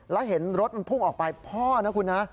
แล้วเห็นรถมันพุ่งออกไปพ่อนะคุณนะ